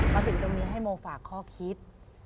มาถึงตรงนี้ให้โมฝากข้อคิด